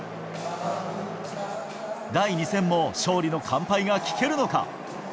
第２戦も勝利の乾杯が聴けるのか。